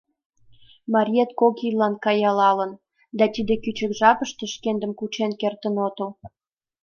Мариет кок ийлан каялалын да тиде кӱчык жапыште шкендым кучен кертын отыл.